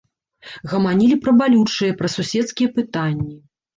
Гаманілі пра балючыя, пра суседскія пытанні.